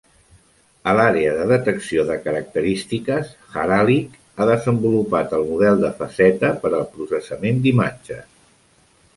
A l'àrea de detecció de característiques, Haralick ha desenvolupat el model de faceta per al processament d'imatges.